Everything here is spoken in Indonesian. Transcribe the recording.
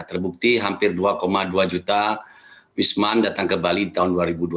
terbukti hampir dua dua juta wisman datang ke bali di tahun dua ribu dua puluh